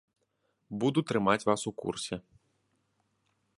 Буду трымаць вас у курсе.